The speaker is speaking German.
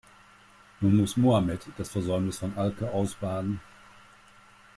Nun muss Mohammed das Versäumnis von Alke ausbaden.